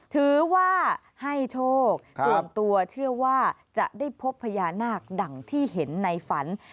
ถือว่าให้โชคส่วนตัวเชื่อว่าจะได้พบพญานาคดังที่เห็นในฝัน